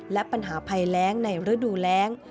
และปัญหาภัยแรงในฤดูแรง